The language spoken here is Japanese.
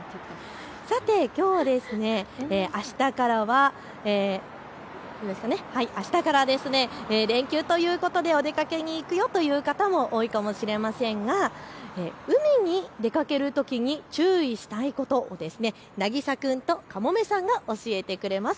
さて、あしたからは連休ということでお出かけに行くよという方も多いかもしれませんが海に出かけるときに注意したいことを、なぎさ君とカモメさんが教えてくれます。